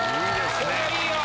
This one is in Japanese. これはいいよ。